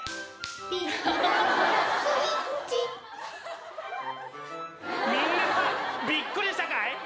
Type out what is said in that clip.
ビンタゴラスイッチみんなびっくりしたかい？